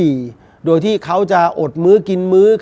นั้นสหลีก็จะค่อยห่างถึง